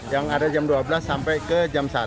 yang ada jam dua belas sampai ke jam satu